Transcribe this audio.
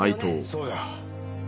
そうだ。